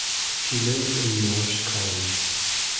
She lived in Morse College.